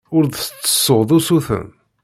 Ur d-tettessuḍ usuten.